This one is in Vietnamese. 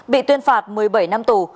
bị tuyên phạt một mươi bảy năm tù